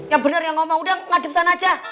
ya bener yang ngomong udah ngadep sana aja